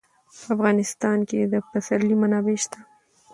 په افغانستان کې د پسرلی منابع شته.